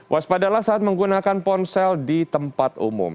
waspadalah saat menggunakan ponsel di tempat umum